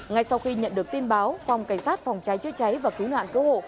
ngay sau khi nhận được tin báo phòng cảnh sát phòng cháy chữa cháy và cứu nạn cứu hộ